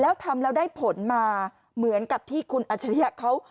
แล้วทำแล้วได้ผลมาเหมือนกับที่คุณอัจฉริยะเขา